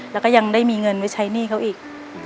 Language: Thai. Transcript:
แล้วก็ยังได้มีเงินไว้ใช้หนี้เขาอีก